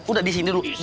udah di sini dulu